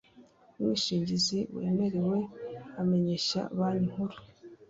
Umwishingizi wemerewe amenyesha Banki Nkuru